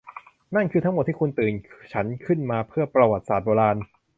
นั่นคือทั้งหมดที่คุณตื่นฉันขึ้นมาเพื่อประวัติศาสตร์โบราณ ?